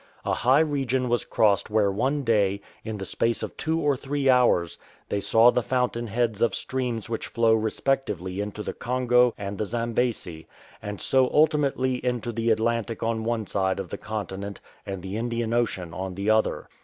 A high region was crossed where one day, in the space of two or three hours, they saw the i6s WATERSHED OF THE CONTINENT fountain heads of streams which flow respectively into the Congo and the Zambesi, and so ultimately into the Atlantic on the one side of the continent and the Indian Ocean on the other.